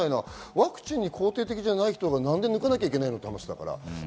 ワクチンに肯定的じゃない人がなんで抜かなきゃいけないの？